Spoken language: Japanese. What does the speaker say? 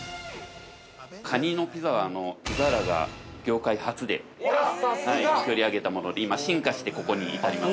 ◆カニのピザは、ピザーラが業界初で作り上げたもので今、進化してここに至ります。